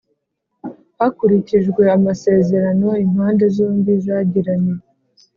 hakurikijwe amasezerano impande zombi zagiranye.